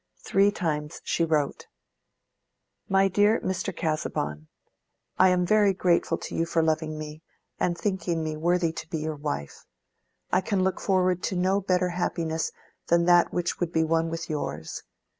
Three times she wrote. MY DEAR MR. CASAUBON,—I am very grateful to you for loving me, and thinking me worthy to be your wife. I can look forward to no better happiness than that which would be one with yours.